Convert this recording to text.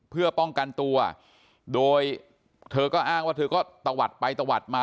เพื่อป้องกันตัวโดยเธอก็อ้างว่าเธอก็ตะวัดไปตะวัดมา